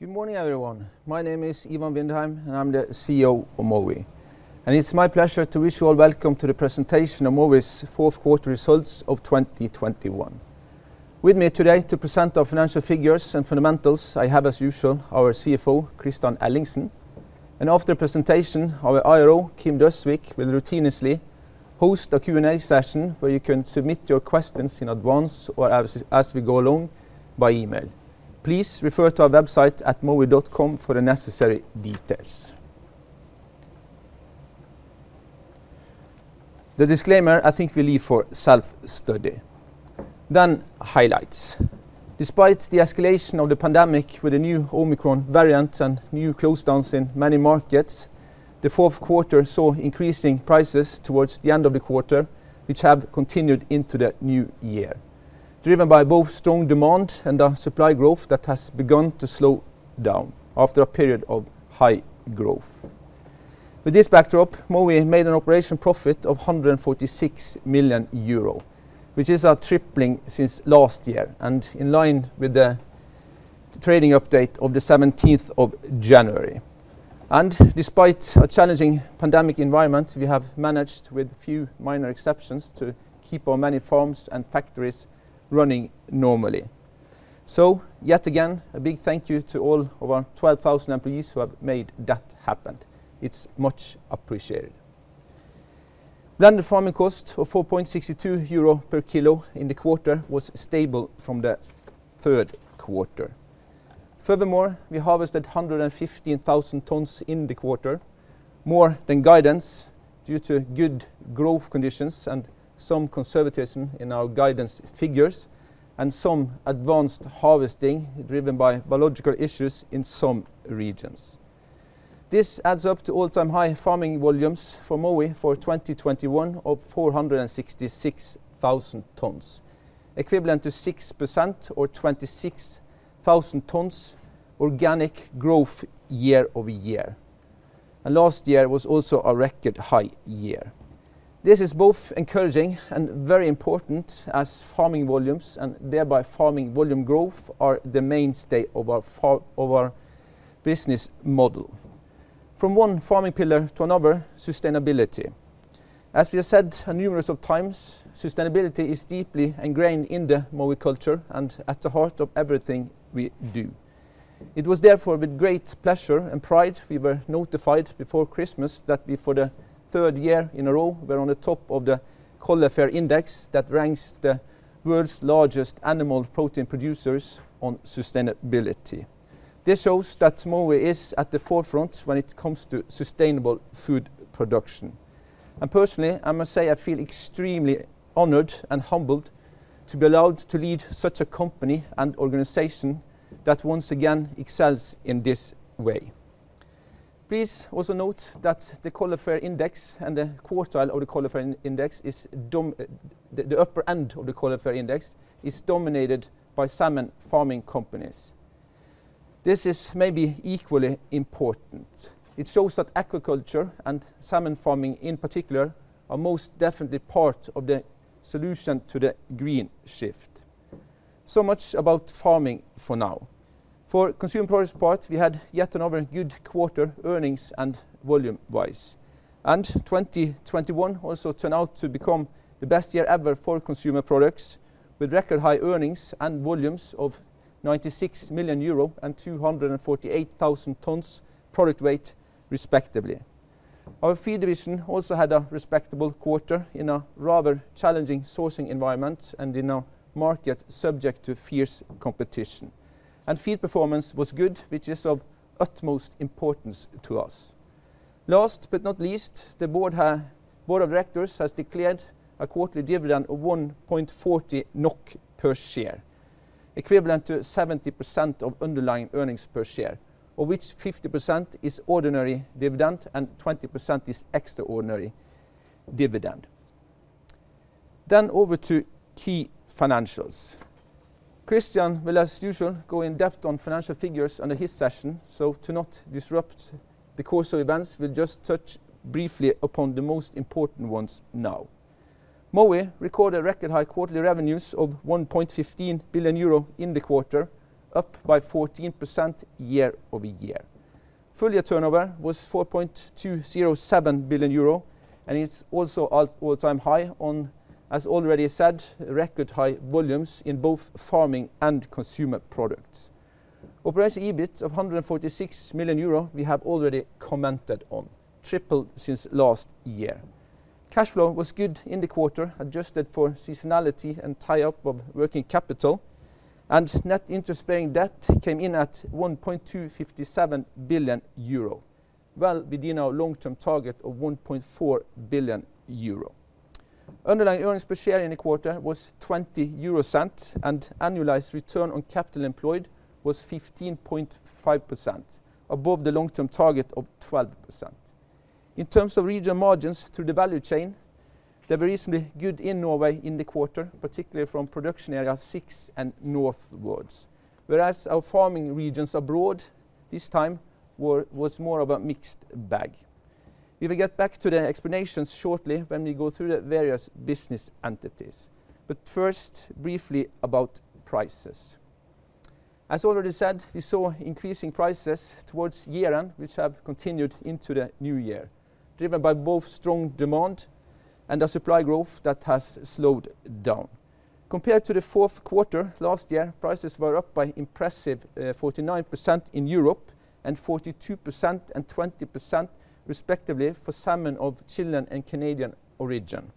Good morning, everyone. My name is Ivan Vindheim, and I'm the CEO of Mowi. It's my pleasure to wish you all welcome to the presentation of Mowi's fourth quarter results of 2021. With me today to present our financial figures and fundamentals, I have as usual, our CFO, Kristian Ellingsen, and after presentation, our IRO, Kim Døsvik, will routinely host a Q&A session where you can submit your questions in advance or as we go along by email. Please refer to our website at mowi.com for the necessary details. The disclaimer, I think we leave for self-study. Then highlights. Despite the escalation of the pandemic with the new Omicron variant and new lockdowns in many markets, the fourth quarter saw increasing prices towards the end of the quarter, which have continued into the new year, driven by both strong demand and a supply growth that has begun to slow down after a period of high growth. With this backdrop, Mowi made an operational profit of 146 million euro, which is a tripling since last year, and in line with the trading update of the seventeenth of January. Despite a challenging pandemic environment, we have managed, with few minor exceptions, to keep our many farms and factories running normally. Yet again, a big thank you to all our 12,000 employees who have made that happen. It's much appreciated. The farming cost of 4.62 euro per kilo in the quarter was stable from the third quarter. Furthermore, we harvested 115,000 tons in the quarter, more than guidance due to good growth conditions and some conservatism in our guidance figures and some advanced harvesting driven by biological issues in some regions. This adds up to all-time high farming volumes for Mowi for 2021 of 466,000 tons, equivalent to 6% or 26,000 tons organic growth year-over-year. Last year was also a record high year. This is both encouraging, and very important as farming volumes and thereby farming volume growth are the mainstay of our business model. From one farming pillar to another, sustainability. As we have said numerous times, sustainability is deeply ingrained in the Mowi culture and at the heart of everything we do. It was therefore with great pleasure and pride, we were notified before Christmas that we, for the third year in a row, were on the top of the Coller FAIRR Protein Producer Index that ranks the world's largest animal protein producers on sustainability. This shows that Mowi is at the forefront when it comes to sustainable food production. Personally, I must say I feel extremely honored and humbled to be allowed to lead such a company, and organization that once again excels in this way. Please also note that the upper end of the Coller FAIRR Protein Producer Index is dominated by salmon farming companies. This is maybe equally important. It shows that aquaculture and salmon farming in particular are most definitely part of the solution to the green shift. Much about farming for now. For Consumer Products part, we had yet another good quarter earnings and volume-wise. 2021 also turned out to become the best year ever for Consumer Products with record high earnings and volumes of 96 million euro, and 248,000 tons product weight, respectively. Our feed division also had a respectable quarter in a rather challenging sourcing environment and in a market subject to fierce competition. Feed performance was good, which is of utmost importance to us. Last but not least, the board of directors has declared a quarterly dividend of 1.40 NOK per share, equivalent to 70% of underlying earnings per share, of which 50% is ordinary dividend and 20% is extraordinary dividend. Over to key financials. Kristian will, as usual, go in depth on financial figures under his session. To not disrupt the course of events, we'll just touch briefly upon the most important ones now. Mowi recorded record high quarterly revenues of 1.15 billion euro in the quarter, up 14% year-over-year. Full year turnover was 4.207 billion euro, and it's also all-time high on, as already said, record high volumes in both farming and Consumer Products. Operating EBIT of 146 million euro, we have already commented on, triple since last year. Cash flow was good in the quarter, adjusted for seasonality and tie-up of working capital, and net interest-bearing debt came in at 1.257 billion euro. Well, within our long-term target of 1.4 billion euro. Underlying earnings per share in the quarter was €0.20, and annualized return on capital employed was 15.5%, above the long-term target of 12%. In terms of regional margins through the value chain, they're reasonably good in Norway in the quarter, particularly from production area six, and northwards. Whereas our farming regions abroad this time was more of a mixed bag. We will get back to the explanations shortly when we go through the various business entities. First, briefly about prices. As already said, we saw increasing prices towards year-end, which have continued into the new year, driven by both strong demand and a supply growth that has slowed down. Compared to the fourth quarter last year, prices were up by impressive 49% in Europe and 42% and 20% respectively for salmon of Chilean and Canadian origin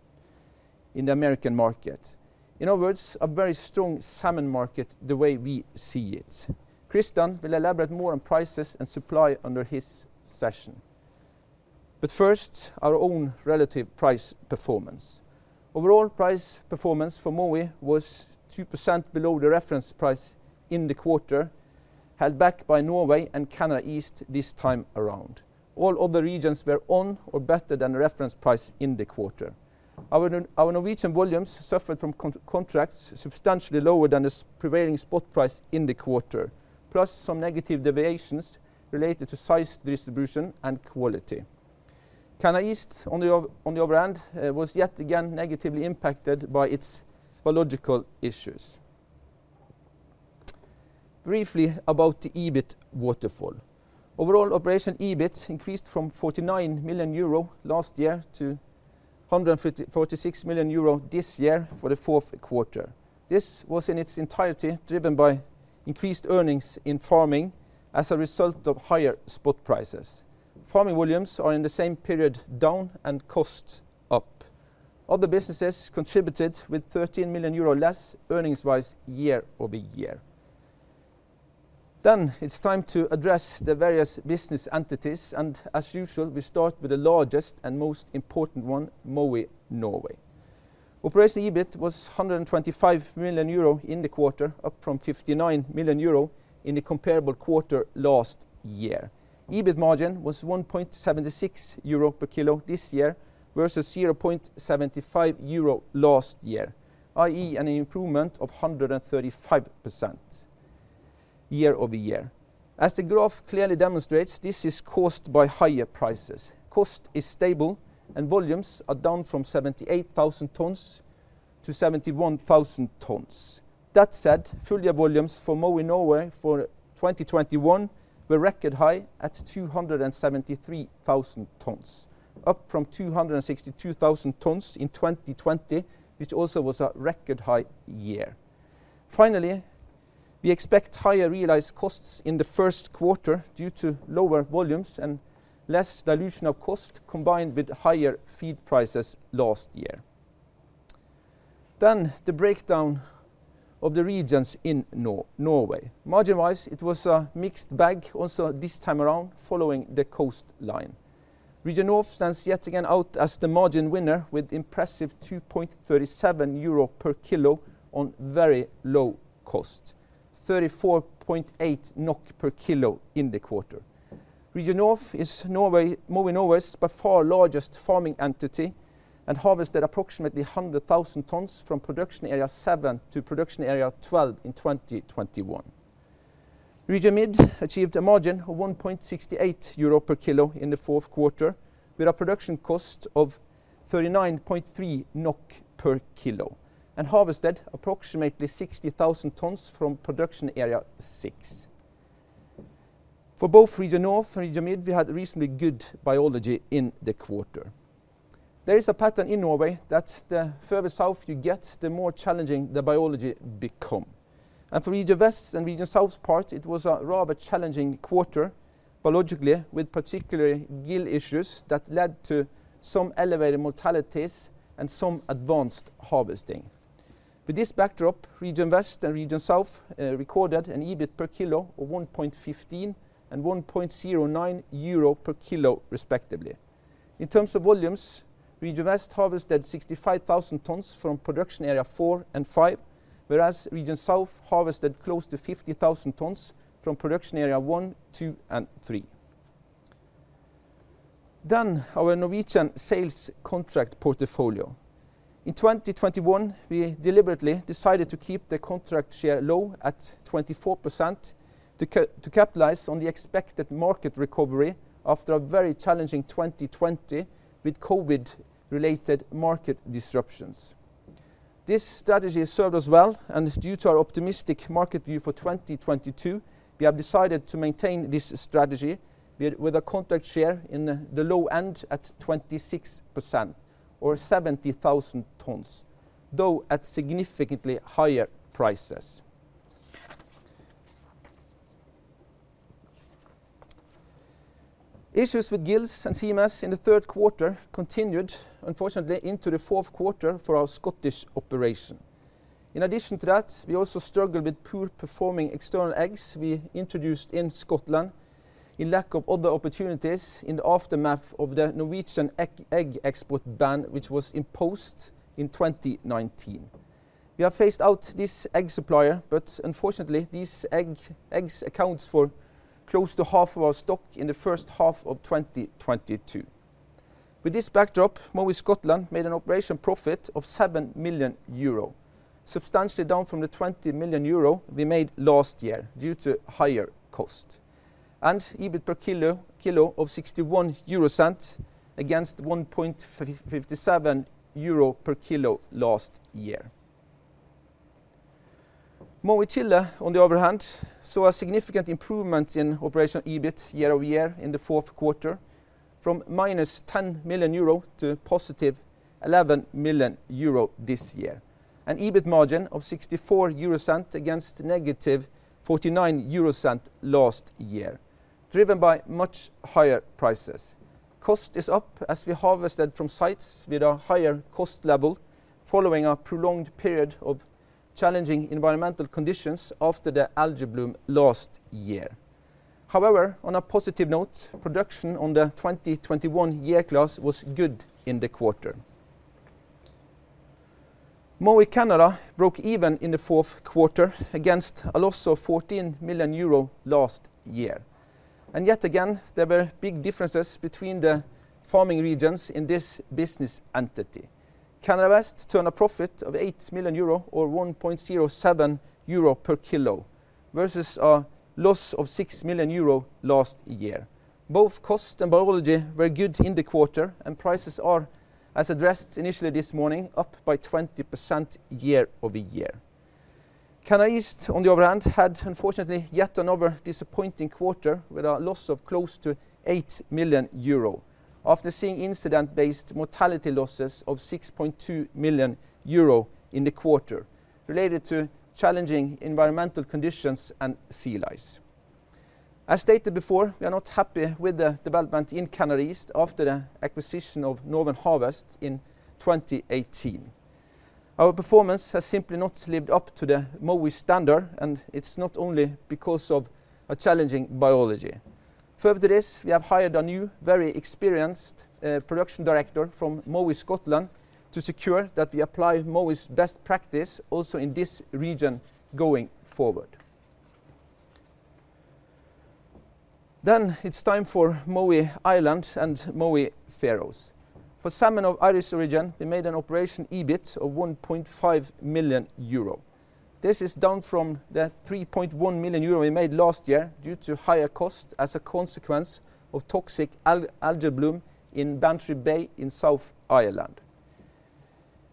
in the American market. In other words, a very strong salmon market the way we see it. Kristian will elaborate more on prices and supply under his session. First, our own relative price performance. Overall price performance for Mowi was 2% below the reference price in the quarter, held back by Norway and Canada East this time around. All other regions were on or better than the reference price in the quarter. Our Norwegian volumes suffered from contracts substantially lower than the prevailing spot price in the quarter, plus some negative deviations related to size distribution and quality. Canada East, on the other hand, was yet again negatively impacted by its biological issues. Briefly about the EBIT waterfall. Overall operation EBIT increased from 49 million euro last year to 154 million euro this year for the fourth quarter. This was in its entirety driven by increased earnings in farming as a result of higher spot prices. Farming volumes are in the same period down and cost up. Other businesses contributed with 13 million euro less earnings-wise year-over-year. It's time to address the various business entities, and as usual, we start with the largest and most important one, Mowi Norway. Operating EBIT was 125 million euro in the quarter, up from 59 million euro in the comparable quarter last year. EBIT margin was 1.76 euro per kilo this year versus 0.75 euro last year, i.e., an improvement of 135% year-over-year. As the graph clearly demonstrates, this is caused by higher prices. Cost is stable, and volumes are down from 78,000 tons to 71,000 tons. That said, full year volumes for Mowi Norway for 2021 were record high at 273,000 tons, up from 262,000 tons in 2020, which also was a record high year. Finally, we expect higher realized costs in the first quarter due to lower volumes and less dilution of cost combined with higher feed prices last year. The breakdown of the regions in Norway. Margin-wise, it was a mixed bag also this time around, following the coastline. Region North stands yet again out as the margin winner with impressive 2.37 euro per kilo on very low cost, 34.8 NOK per kilo in the quarter. Region North is Norway, Mowi Norway's by far largest farming entity, and harvested approximately 100,000 tons from production area seven to production area 12 in 2021. Region Mid achieved a margin of 1.68 euro per kilo in the fourth quarter with a production cost of 39.3 NOK per kilo and harvested approximately 60,000 tons from production area six. For both Region North and Region Mid, we had reasonably good biology in the quarter. There is a pattern in Norway that the further south you get, the more challenging the biology become. For Region West and Region South's part, it was a rather challenging quarter biologically with particular gill issues that led to some elevated mortalities and some advanced harvesting. With this backdrop, Region West and Region South recorded an EBIT per kilo of 1.15 and 1.09 euro per kilo respectively. In terms of volumes, Region West harvested 65,000 tons from production area four and five, whereas Region South harvested close to 50,000 tons from production area one, two, and three. Our Norwegian sales contract portfolio. In 2021, we deliberately decided to keep the contract share low at 24% to capitalize on the expected market recovery after a very challenging 2020 with COVID-related market disruptions. This strategy served us well, and due to our optimistic market view for 2022, we have decided to maintain this strategy with a contract share in the low end at 26% or 70,000 tons, though at significantly higher prices. Issues with gills and CMS in the third quarter continued, unfortunately, into the fourth quarter for our Scottish operation. In addition to that, we also struggled with poor performing external eggs we introduced in Scotland in lack of other opportunities in the aftermath of the Norwegian egg export ban, which was imposed in 2019. We have phased out this egg supplier, but unfortunately, these eggs accounts for close to half of our stock in the first half of 2022. With this backdrop, Mowi Scotland made an operational profit of 7 million euro. Substantially down from the 20 million euro we made last year due to higher cost, and EBIT per kilo of 0.61 EUR against 1.57 euro per kilo last year. Mowi Chile, on the other hand, saw a significant improvement in operational EBIT year-over-year in the fourth quarter from -10 million euro to 11 million euro this year. An EBIT margin of 0.64 EUR against -0.49 EUR last year, driven by much higher prices. Cost is up as we harvested from sites with a higher cost level following a prolonged period of challenging environmental conditions after the algae bloom last year. However, on a positive note, production on the 2021 year class was good in the quarter. Mowi Canada broke even in the fourth quarter against a loss of 14 million euro last year. Yet again, there were big differences between the farming regions in this business entity. Canada West turned a profit of 8 million euro or 1.07 euro per kilo versus a loss of 6 million euro last year. Both cost and biology were good in the quarter, and prices are, as addressed initially this morning, up by 20% year-over-year. Canada East, on the other hand, had unfortunately yet another disappointing quarter with a loss of close to 8 million euro after seeing incident-based mortality losses of 6.2 million euro in the quarter related to challenging environmental conditions and sea lice. As stated before, we are not happy with the development in Canada East after the acquisition of Northern Harvest in 2018. Our performance has simply not lived up to the Mowi standard, and it's not only because of a challenging biology. Furthermore, we have hired a new, very experienced production director from Mowi Scotland to secure that we apply Mowi's best practice also in this region going forward. It's time for Mowi Ireland and Mowi Faroes. For salmon of Irish origin, we made an operational EBIT of 1.5 million euro. This is down from the 3.1 million euro we made last year due to higher cost as a consequence of toxic algae bloom in Bantry Bay in South Ireland.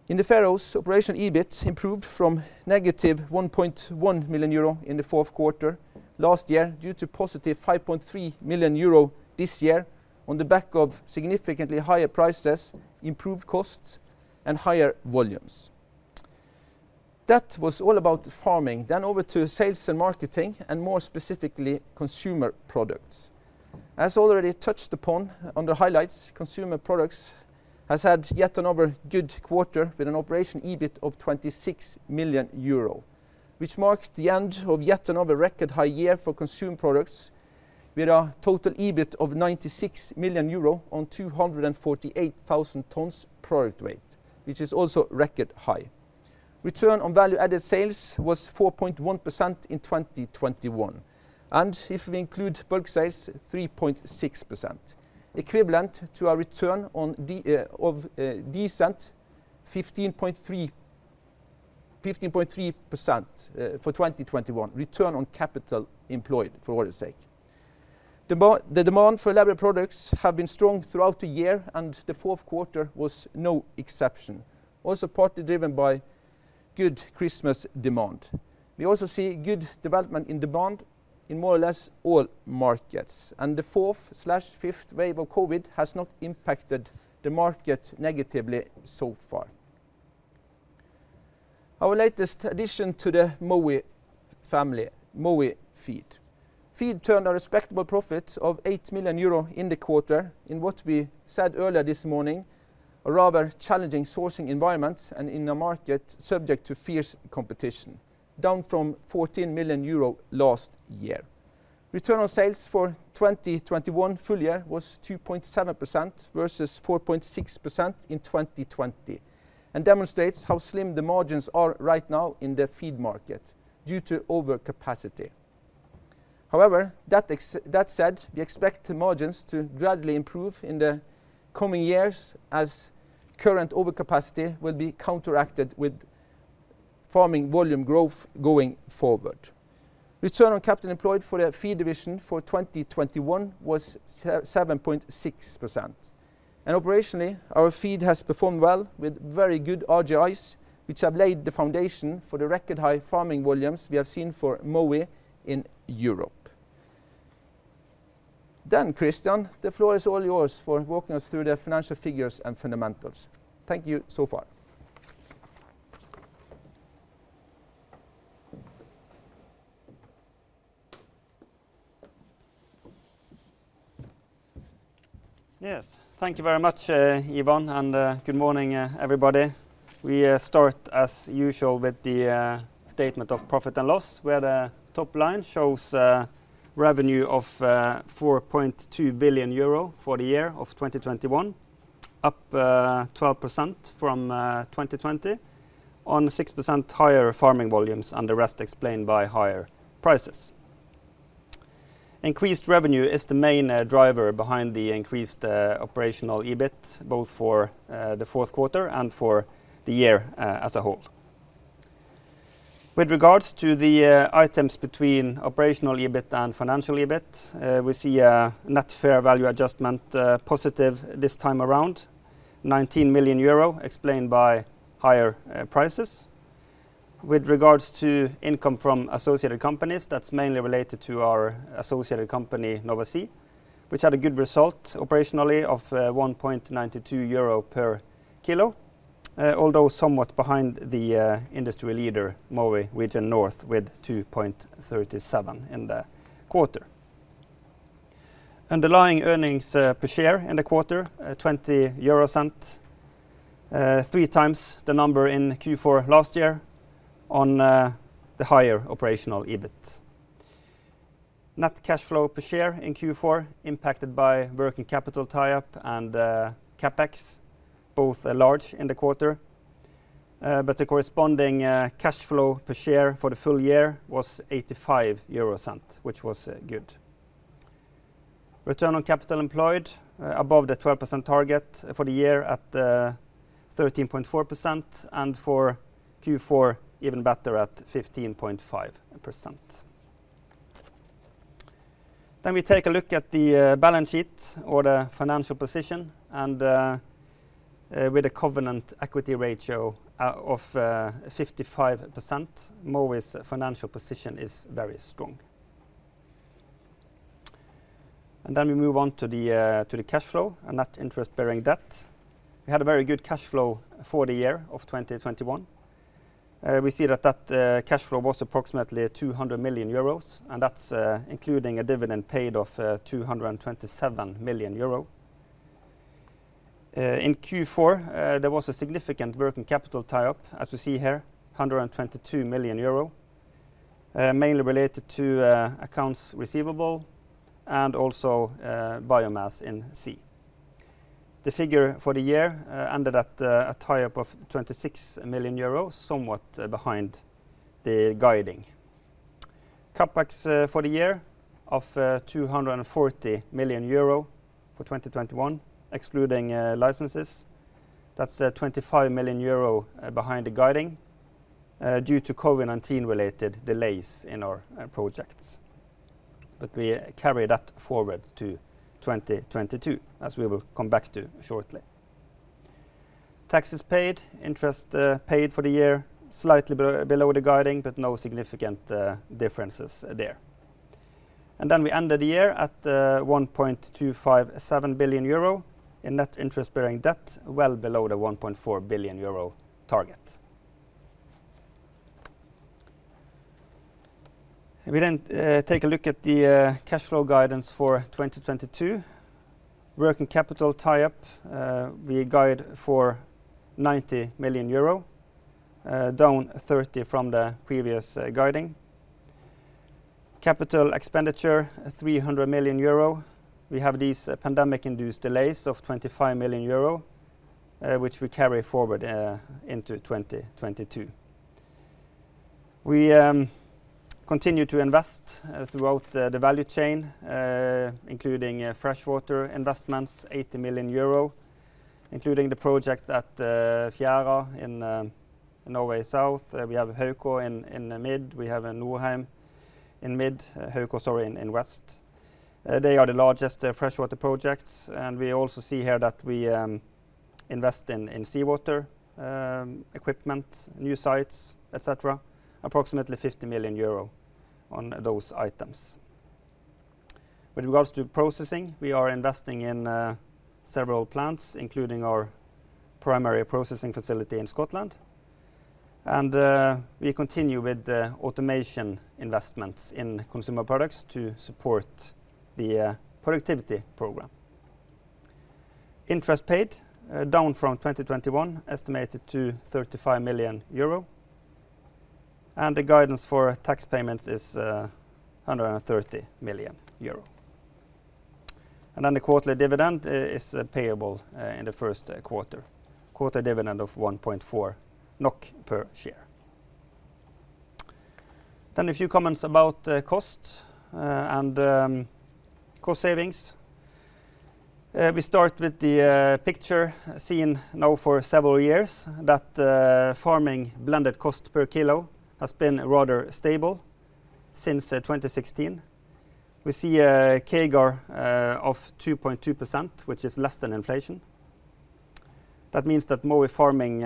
In the Faroes, operational EBIT improved from -1.1 million euro in the fourth quarter last year to 5.3 million euro this year on the back of significantly higher prices, improved costs, and higher volumes. That was all about farming. Over to sales and marketing, and more specifically, Consumer Products. As already touched upon under highlights, Consumer Products has had yet another good quarter with an operational EBIT of 26 million euro, which marks the end of yet another record high year for Consumer Products with a total EBIT of 96 million euro on 248,000 tons product weight, which is also record high. Return on value-added sales was 4.1% in 2021, and if we include bulk sales, 3.6%, equivalent to a decent 15.3% for 2021 return on capital employed for all intents and purposes. The demand for laks products has been strong throughout the year, and the fourth quarter was no exception, also partly driven by good Christmas demand. We also see good development in demand in more or less all markets, and the fourth or fifth wave of COVID has not impacted the market negatively so far. Our latest addition to the Mowi family, Mowi Feed, turned a respectable profit of 8 million euro in the quarter, in what we said earlier this morning, a rather challenging sourcing environment, and in a market subject to fierce competition, down from 14 million euro last year. Return on sales for 2021 full year was 2.7% versus 4.6% in 2020 and demonstrates how slim the margins are right now in the feed market due to overcapacity. However, that said, we expect margins to gradually improve in the coming years as current overcapacity will be counteracted with farming volume growth going forward. Return on capital employed for the feed division for 2021 was 7.6%. Operationally, our feed has performed well with very good RGIs, which have laid the foundation for the record high farming volumes we have seen for Mowi in Europe. Kristian, the floor is all yours for walking us through the financial figures and fundamentals. Thank you so far. Yes. Thank you very much, Ivan, and good morning, everybody. We start as usual with the statement of profit and loss, where the top line shows a revenue of 4.2 billion euro for the year of 2021, up 12% from 2020 on 6% higher farming volumes and the rest explained by higher prices. Increased revenue is the main driver behind the increased operational EBIT, both for the fourth quarter and for the year as a whole. With regards to the items between operational EBIT and financial EBIT, we see a net fair value adjustment, positive this time around, 19 million euro explained by higher prices. With regards to income from associated companies, that's mainly related to our associated company, Nova Sea, which had a good result operationally of 1.92 euro per kilo. Although somewhat behind the industry leader, Mowi Region North, with 2.37 in the quarter. Underlying earnings per share in the quarter, 0.20 EUR. 3x the number in Q4 last year on the higher operational EBIT. Net cash flow per share in Q4 impacted by working capital tie-up and CapEx, both are large in the quarter. The corresponding cash flow per share for the full year was 0.85 EUR, which was good. Return on capital employed above the 12% target for the year at 13.4%, and for Q4 even better at 15.5%. We take a look at the balance sheet or the financial position and with a covenant equity ratio of 55%, Mowi's financial position is very strong. We move on to the cash flow and net interest-bearing debt. We had a very good cash flow for the year of 2021. We see that cash flow was approximately 200 million euros, and that's including a dividend paid of 227 million euro. In Q4 there was a significant working capital tie-up, as we see here, 122 million euro, mainly related to accounts receivable and also biomass in sea. The figure for the year ended at a tie-up of 26 million euros, somewhat behind the guidance. CapEx for the year of 240 million euro for 2021, excluding licenses. That's 25 million euro behind the guidance due to COVID-19 related delays in our projects. We carry that forward to 2022, as we will come back to shortly. Taxes paid, interest paid for the year, slightly below the guidance, but no significant differences there. We ended the year at 1.257 billion euro in net interest-bearing debt, well below the 1.4 billion euro target. We take a look at the cash flow guidance for 2022. Working capital tie-up, we guide for 90 million euro, down 30 from the previous guidance. Capital expenditure, 300 million euro. We have these pandemic-induced delays of 25 million euro, which we carry forward into 2022. We continue to invest throughout the value chain, including freshwater investments, 80 million euro, including the projects at Fjæra in Norway South. We have Haukå in mid, we have Nordheim in mid, Haukå, sorry, in west. They are the largest freshwater projects, and we also see here that we invest in seawater equipment, new sites, etc., approximately 50 million euro on those items. With regards to processing, we are investing in several plants, including our primary processing facility in Scotland. We continue with the automation investments in Consumer Products to support the productivity program. Interest paid down from 2021, estimated to 35 million euro. The guidance for tax payments is 130 million euro. The quarterly dividend is payable in the first quarter. Quarterly dividend of 1.4 NOK per share. A few comments about the cost and cost savings. We start with the picture seen now for several years that farming blended cost per kilo has been rather stable since 2016. We see a CAGR of 2.2%, which is less than inflation. That means that Mowi farming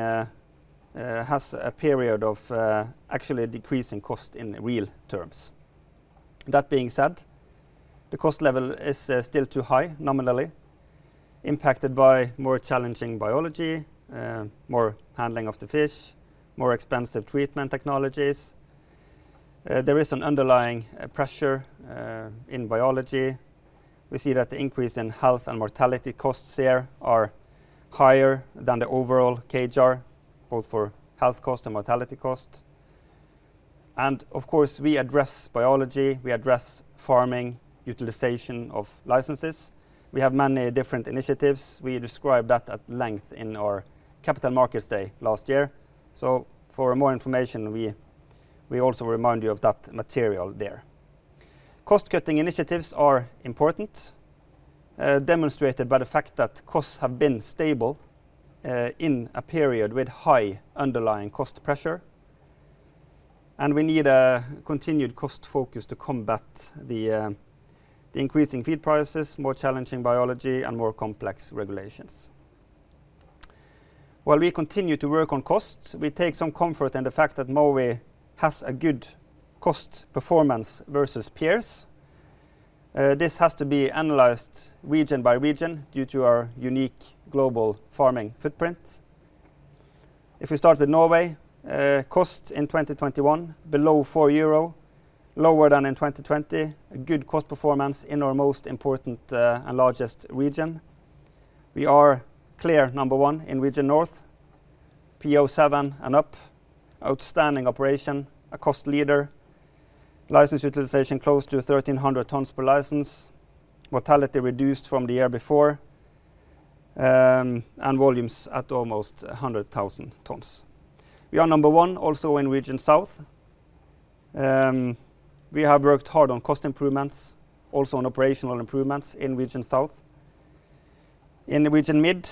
has a period of actually decreasing cost in real terms. That being said, the cost level is still too high nominally, impacted by more challenging biology, more handling of the fish, more expensive treatment technologies. There is an underlying pressure in biology. We see that the increase in health and mortality costs here are higher than the overall CAGR, both for health cost and mortality cost. Of course, we address biology, we address farming, utilization of licenses. We have many different initiatives. We described that at length in our Capital Markets Day last year. For more information, we also remind you of that material there. Cost-cutting initiatives are important, demonstrated by the fact that costs have been stable in a period with high underlying cost pressure. We need a continued cost focus to combat the increasing feed prices, more challenging biology, and more complex regulations. While we continue to work on costs, we take some comfort in the fact that Mowi has a good cost performance versus peers. This has to be analyzed region by region due to our unique global farming footprint. If we start with Norway, cost in 2021 below 4 euro, lower than in 2020. A good cost performance in our most important and largest region. We are clear number one in Region North, PO 7 and up, outstanding operation, a cost leader, license utilization close to 1,300 tons per license. Mortality reduced from the year before, and volumes at almost 100,000 tons. We are number one also in Region South. We have worked hard on cost improvements also on operational improvements in Region South. In the Region Mid,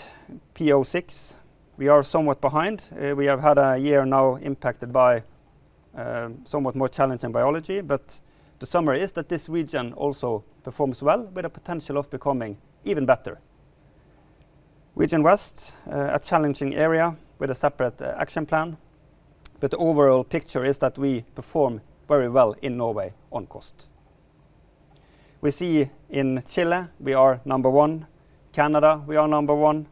PO 6, we are somewhat behind. We have had a year now impacted by somewhat more challenging biology, but the summary is that this region also performs well with a potential of becoming even better. Region West, a challenging area with a separate action plan, but the overall picture is that we perform very well in Norway on cost. We see in Chile, we are number one. Canada, we are number one.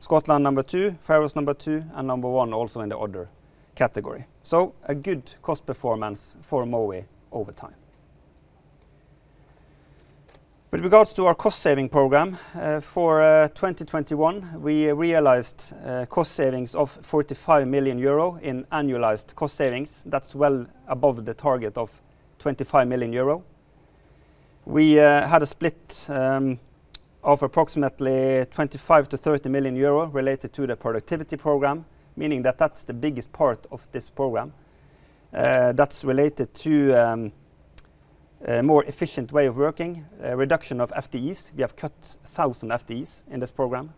Scotland, number two. Faroes, number two, and number one also in the other category. A good cost performance for Mowi over time. With regards to our cost-saving program, for 2021, we realized cost savings of 45 million euro in annualized cost savings. That's well above the target of 25 million euro. We had a split of approximately 25 million-30 million euro related to the productivity program, meaning that that's the biggest part of this program. That's related to a more efficient way of working, a reduction of FTEs. We have cut 1,000 FTEs in this program.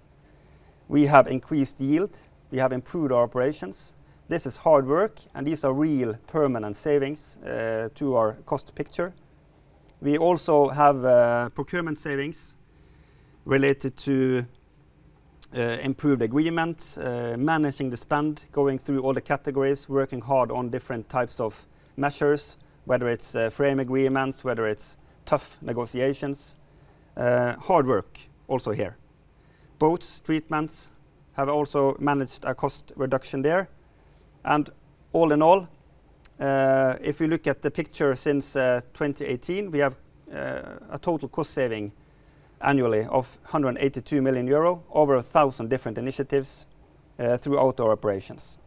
We have increased yield. We have improved our operations. This is hard work, and these are real permanent savings to our cost picture. We also have procurement savings related to improved agreements, managing the spend, going through all the categories, working hard on different types of measures, whether it's frame agreements, whether it's tough negotiations. Hard work also here. Boat treatments have also managed a cost reduction there. All in all, if you look at the picture since 2018, we have a total cost saving annually of 182 million euro, over 1,000 different initiatives throughout our operations.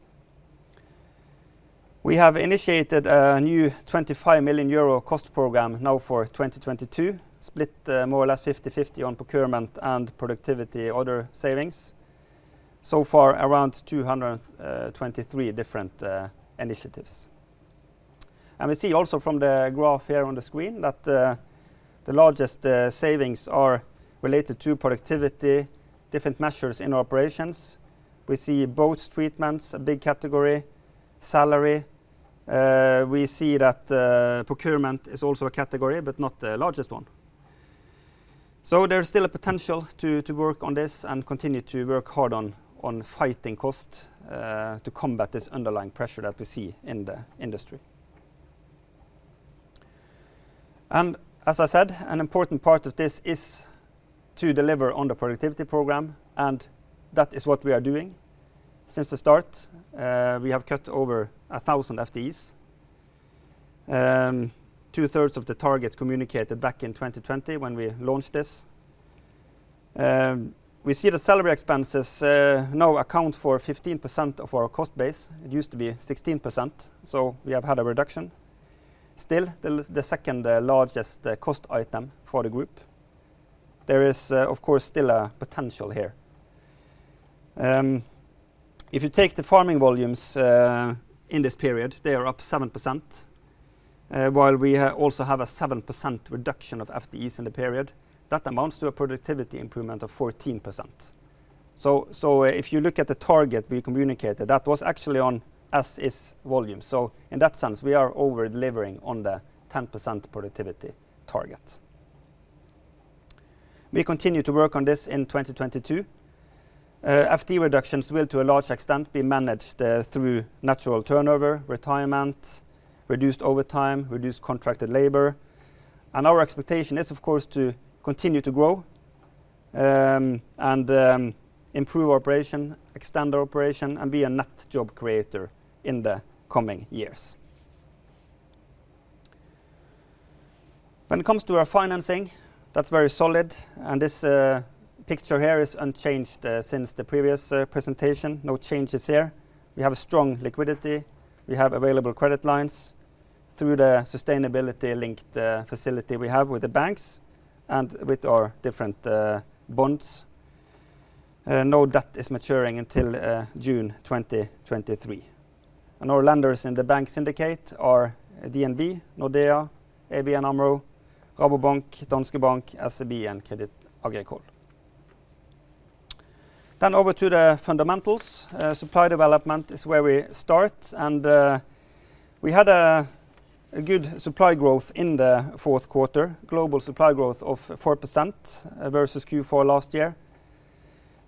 We have initiated a new 25 million euro cost program now for 2022, split more or less 50-50 on procurement and productivity other savings. So far around 223 different initiatives. We see also from the graph here on the screen that the largest savings are related to productivity, different measures in our operations. We see boat treatments a big category, salary. We see that procurement is also a category, but not the largest one. There's still a potential to work on this and continue to work hard on fighting cost to combat this underlying pressure that we see in the industry. As I said, an important part of this is to deliver on the productivity program, and that is what we are doing. Since the start, we have cut over 1,000 FTEs. Two-thirds of the target communicated back in 2020 when we launched this. We see the salary expenses now account for 15% of our cost base. It used to be 16%, so we have had a reduction. Still, the second largest cost item for the group. There is, of course, still a potential here. If you take the farming volumes in this period, they are up 7% while we also have a 7% reduction of FTEs in the period. That amounts to a productivity improvement of 14%. If you look at the target we communicated, that was actually on as is volume. In that sense, we are over-delivering on the 10% productivity target. We continue to work on this in 2022. FTE reductions will to a large extent be managed through natural turnover, retirement, reduced overtime, reduced contracted labor, and our expectation is of course to continue to grow, and improve our operation, extend our operation, and be a net job creator in the coming years. When it comes to our financing, that's very solid, and this picture here is unchanged since the previous presentation. No changes here. We have strong liquidity. We have available credit lines. Through the sustainability-linked facility we have with the banks and with our different bonds, no debt is maturing until June 2023. Our lenders in the bank syndicate are DNB, Nordea, ABN AMRO, Rabobank, Danske Bank, SEB, and Crédit Agricole. Over to the fundamentals. Supply development is where we start. We had a good supply growth in the fourth quarter, global supply growth of 4% versus Q4 last year.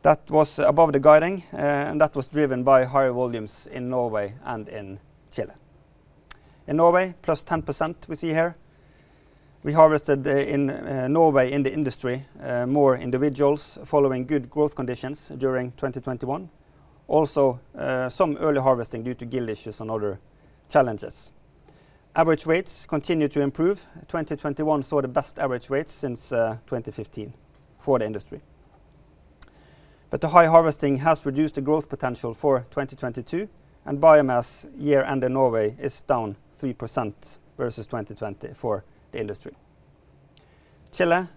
That was above the guiding, and that was driven by higher volumes in Norway and in Chile. In Norway, +10% we see here. We harvested in Norway in the industry more individuals following good growth conditions during 2021. Also, some early harvesting due to gill issues and other challenges. Average weights continued to improve. 2021 saw the best average rates since 2015 for the industry. The high harvesting has reduced the growth potential for 2022, and biomass year-end in Norway is down 3% versus 2020 for the industry. Chile,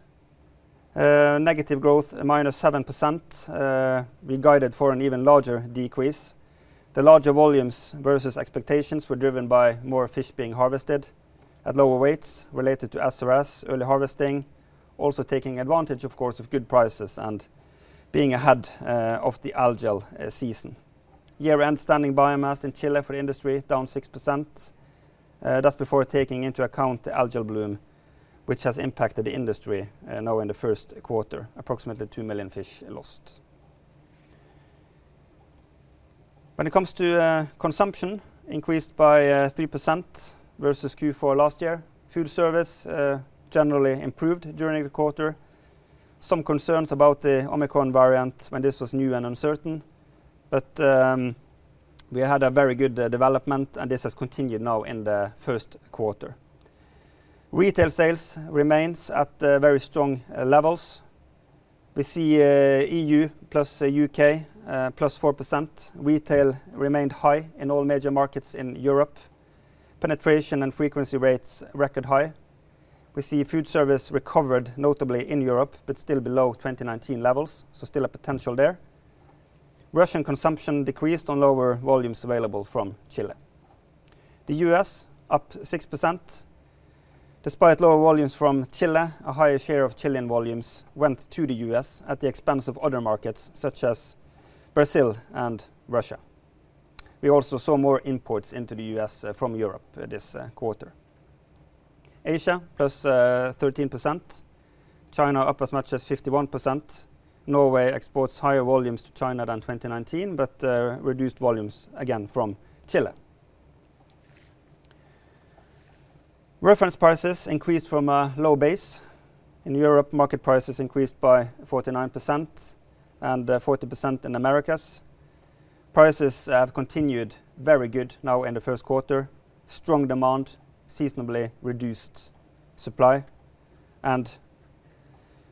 negative growth, -7%. We guided for an even larger decrease. The larger volumes versus expectations were driven by more fish being harvested at lower weights related to SRS early harvesting, also taking advantage, of course, of good prices, and being ahead of the algal season. Year-end standing biomass in Chile for the industry, down 6%. That's before taking into account the algal bloom which has impacted the industry now in the first quarter, approximately 2 million fish lost. When it comes to consumption, increased by 3% versus Q4 last year. Food service generally improved during the quarter. Some concerns about the Omicron variant when this was new and uncertain, but we had a very good development, and this has continued now in the first quarter. Retail sales remains at very strong levels. We see EU plus the UK plus 4%. Retail remained high in all major markets in Europe. Penetration and frequency rates record high. We see food service recovered notably in Europe but still below 2019 levels, so still a potential there. Russian consumption decreased on lower volumes available from Chile. The U.S. up 6%. Despite lower volumes from Chile, a higher share of Chilean volumes went to the U.S. at the expense of other markets such as Brazil and Russia. We also saw more imports into the U.S. from Europe this quarter. Asia plus 13%. China up as much as 51%. Norway exports higher volumes to China than 2019 but reduced volumes again from Chile. Reference prices increased from a low base. In Europe, market prices increased by 49% and 40% in Americas. Prices have continued very good now in the first quarter. Strong demand, seasonally reduced supply.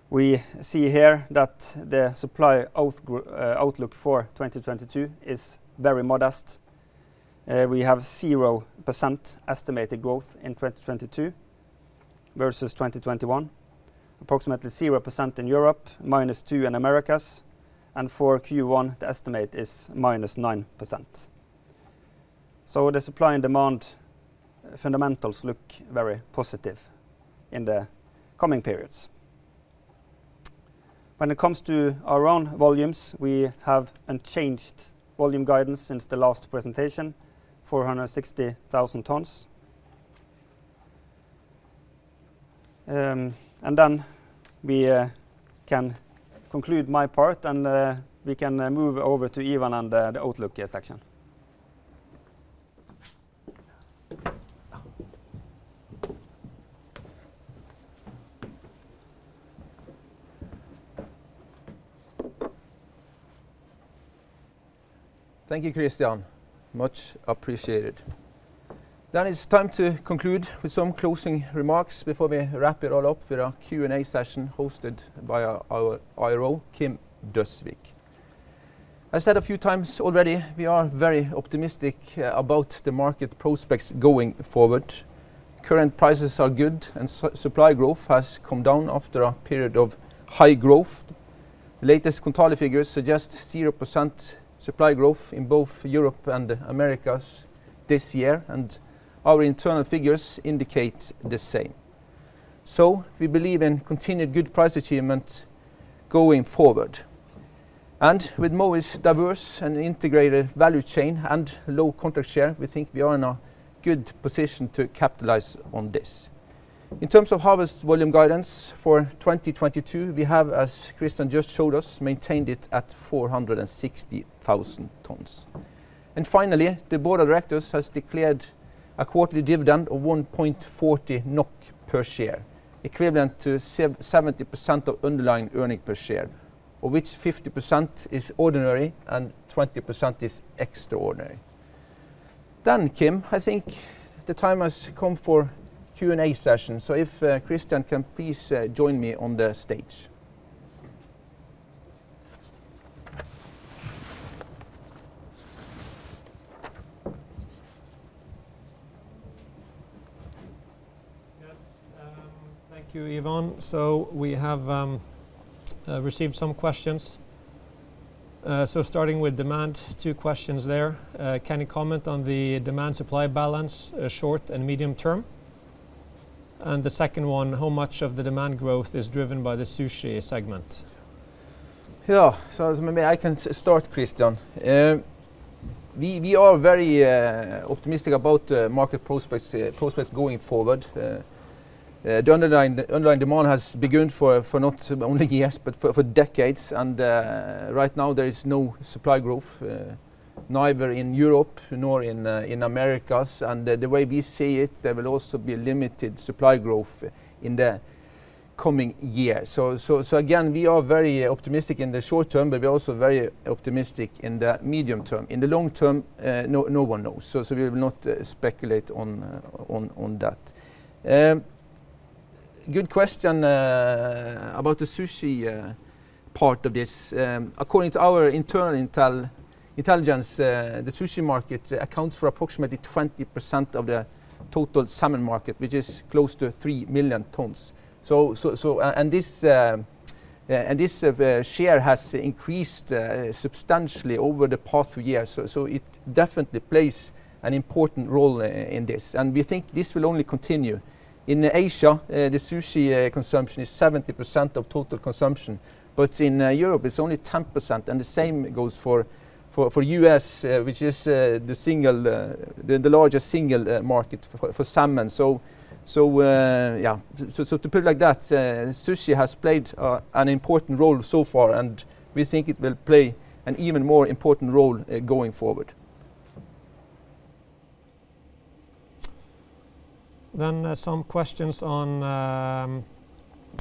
We see here that the supply outlook for 2022 is very modest. We have 0% estimated growth in 2022 versus 2021, approximately 0% in Europe, -2% in Americas, and for Q1, the estimate is -9%. The supply and demand fundamentals look very positive in the coming periods. When it comes to our own volumes, we have unchanged volume guidance since the last presentation, 460,000 tons. We can conclude my part, and we can move over to Ivan and the outlook section. Thank you, Kristian. Much appreciated. It's time to conclude with some closing remarks before we wrap it all up with our Q&A session hosted by our IRO, Kim Døsvik. I said a few times already, we are very optimistic about the market prospects going forward. Current prices are good, and supply growth has come down after a period of high growth. Latest Kontali figures suggest 0% supply growth in both Europe and the Americas this year, and our internal figures indicate the same. We believe in continued good price achievement going forward. With Mowi's diverse and integrated value chain and low contract share, we think we are in a good position to capitalize on this. In terms of harvest volume guidance for 2022, we have, as Kristian just showed us, maintained it at 460,000 tons. Finally, the board of directors has declared a quarterly dividend of 1.40 NOK per share, equivalent to 70% of underlying earnings per share, of which 50% is ordinary and 20% is extraordinary. Kim, I think the time has come for Q&A session, so if Kristian can please join me on the stage. Yes. Thank you, Ivan. We have received some questions. Starting with demand, two questions there. Can you comment on the demand supply balance, short and medium term? The second one, how much of the demand growth is driven by the sushi segment? Maybe I can start, Kristian. We are very optimistic about market prospects going forward. The underlying demand has been strong for not only years, but for decades. Right now, there is no supply growth neither in Europe nor in Americas. The way we see it, there will also be limited supply growth in the coming year. Again, we are very optimistic in the short term, but we're also very optimistic in the medium term. In the long term, no one knows, so we will not speculate on that. Good question about the sushi part of this. According to our internal intelligence, the sushi market accounts for approximately 20% of the total salmon market, which is close to 3 million tons. This share has increased substantially over the past years. It definitely plays an important role in this, and we think this will only continue. In Asia, the sushi consumption is 70% of total consumption. In Europe, it's only 10%, and the same goes for U.S., which is the largest single market for salmon. Yeah. To put it like that, sushi has played an important role so far, and we think it will play an even more important role going forward. Some questions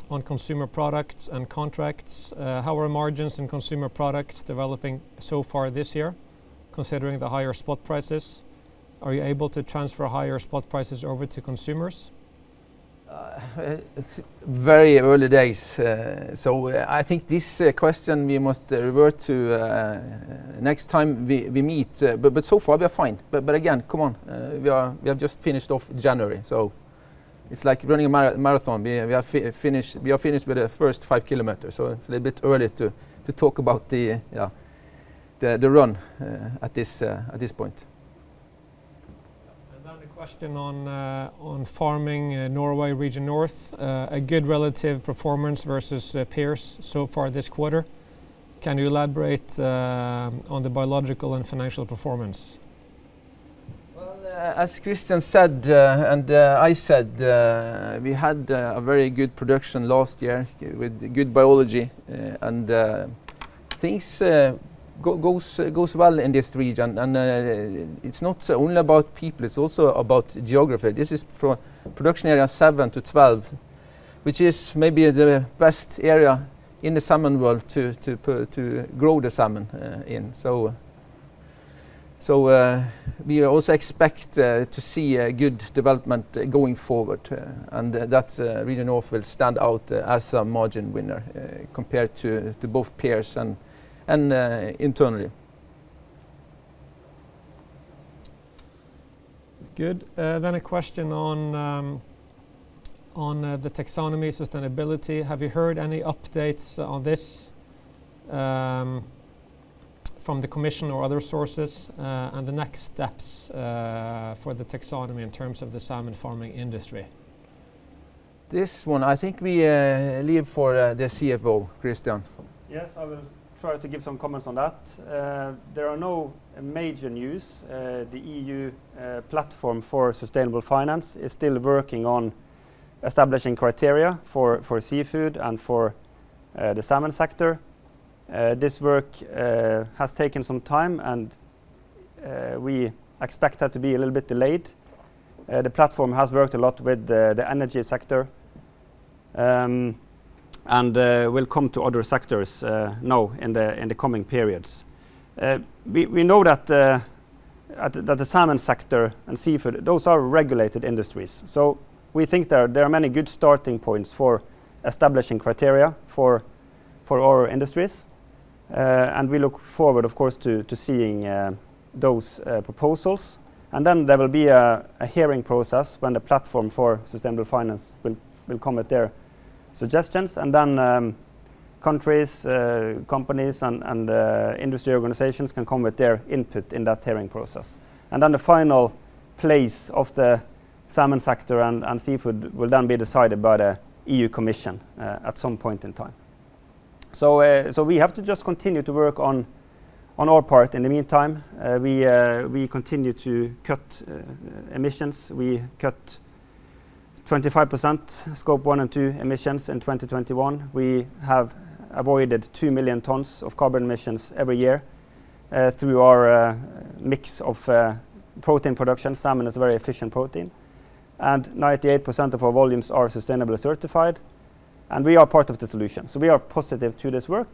on Consumer Products, and contracts. How are margins in Consumer Products developing so far this year considering the higher spot prices? Are you able to transfer higher spot prices over to consumers? It's very early days. I think this question we must revert to next time we meet. So far we're fine. Again, come on, we have just finished off January, so it's like running a marathon. We are finished with the first five kilometers, so it's a little bit early to talk about the run at this point. Another question on farming Norway region north. A good relative performance versus peers so far this quarter. Can you elaborate on the biological and financial performance? Well, as Kristian said, and I said, we had a very good production last year with good biology. Things goes well in this region. It's not only about people, it's also about geography. This is from production area seven to twelve, which is maybe the best area in the salmon world to grow the salmon in. We also expect to see a good development going forward, and that's Region North will stand out as a margin winner, compared to both peers and internally. Good. A question on the taxonomy sustainability. Have you heard any updates on this, from the commission or other sources, and the next steps, for the taxonomy in terms of the salmon farming industry? This one I think we leave for the CFO, Kristian. Yes. I will try to give some comments on that. There are no major news. The EU Platform on Sustainable Finance is still working on establishing criteria for seafood and for the salmon sector. This work has taken some time, and we expect that to be a little bit delayed. The Platform has worked a lot with the energy sector and will come to other sectors now in the coming periods. We know that the salmon sector and seafood, those are regulated industries, so we think there are many good starting points for establishing criteria for our industries. We look forward, of course, to seeing those proposals. Then there will be a hearing process when the Platform on Sustainable Finance will come with their suggestions. Countries, companies, and industry organizations can come with their input in that hearing process. The final place of the salmon sector and seafood will then be decided by the EU Commission at some point in time. We have to just continue to work on our part. In the meantime, we continue to cut emissions. We cut 25% Scope one and two emissions in 2021. We have avoided 2 million tons of carbon emissions every year through our mix of protein production. Salmon is a very efficient protein. 98% of our volumes are sustainably certified, and we are part of the solution. We are positive to this work,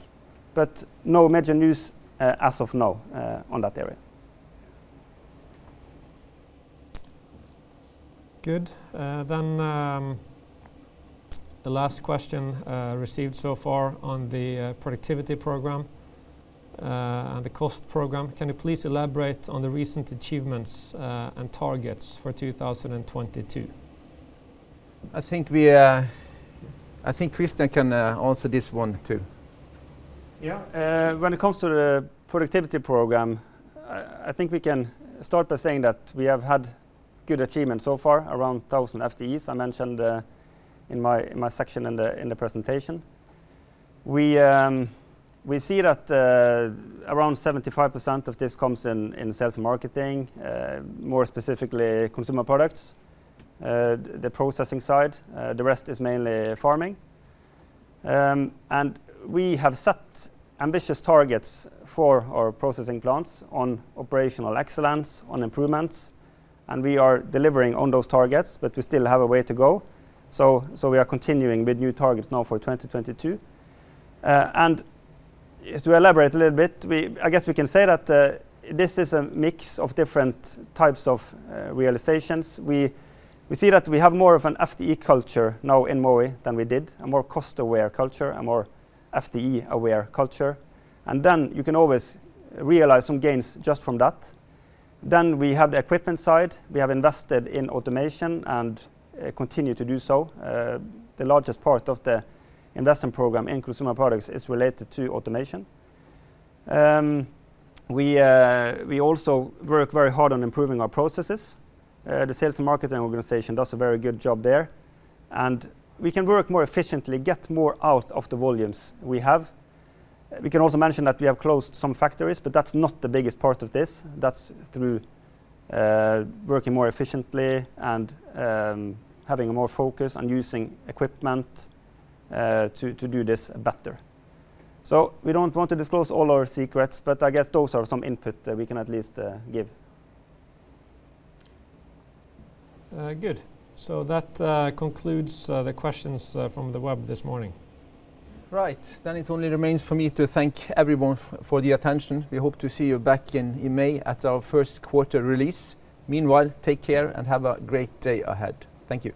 but no major news as of now on that area. Good. The last question received so far on the Productivity Program and the cost program: Can you please elaborate on the recent achievements and targets for 2022? I think Kristian can answer this one too. When it comes to the productivity program, I think we can start by saying that we have had good achievement so far, around 1,000 FTEs I mentioned, in my section in the presentation. We see that around 75% of this comes from sales, and marketing, more specifically Consumer Products, the processing side. The rest is mainly farming. We have set ambitious targets for our processing plants on operational excellence, on improvements, and we are delivering on those targets, but we still have a way to go, so we are continuing with new targets now for 2022. To elaborate a little bit, I guess we can say that this is a mix of different types of realizations. We see that we have more of an FTE culture now in Mowi than we did, a more cost-aware culture, a more FTE-aware culture, and then you can always realize some gains just from that. We have the equipment side. We have invested in automation and continue to do so. The largest part of the investment program in Consumer Products is related to automation. We also work very hard on improving our processes. The sales and marketing organization does a very good job there. We can work more efficiently, get more out of the volumes we have. We can also mention that we have closed some factories, but that's not the biggest part of this. That's through working more efficiently and having more focus on using equipment to do this better. We don't want to disclose all our secrets, but I guess those are some input that we can at least give. Good. That concludes the questions from the web this morning. Right. Then it only remains for me to thank everyone for the attention. We hope to see you back in May at our first quarter release. Meanwhile, take care and have a great day ahead. Thank you.